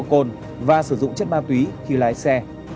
độ cồn và sử dụng chất ma túy khi lái xe